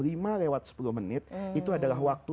lima lewat sepuluh menit itu adalah waktu